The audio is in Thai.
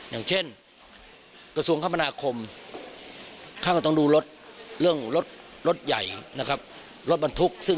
อย่างเช่นกระทรวงคัมพนาคมค่าต้องดูรถเรื่องรถใหญ่รถบรรทุก